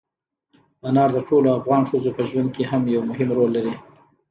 انار د ټولو افغان ښځو په ژوند کې هم یو رول لري.